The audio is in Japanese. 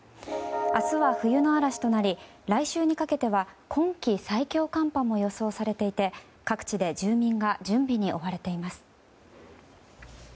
明日は冬の嵐となり来週にかけては今季最強寒波も予想されていて各地で住民が準備に追われています。